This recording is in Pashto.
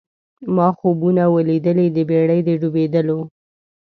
ما خوبونه وه لیدلي د بېړۍ د ډوبېدلو